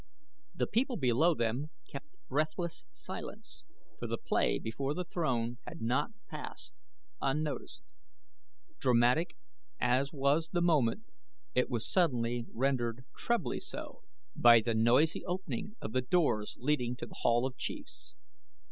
The people below them kept breathless silence for the play before the throne had not passed unnoticed. Dramatic as was the moment it was suddenly rendered trebly so by the noisy opening of the doors leading to The Hall of Chiefs.